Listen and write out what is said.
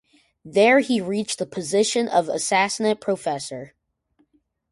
There he reached the position of Assistant Professor.